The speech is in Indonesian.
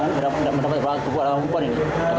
mendapat berapa kupon